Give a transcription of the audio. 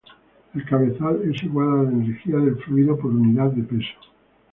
El cabezal es igual a la energía del fluido por unidad de peso.